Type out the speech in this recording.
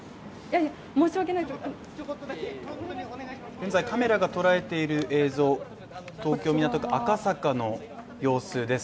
現在、カメラが捉えている映像、東京・港区の様子です。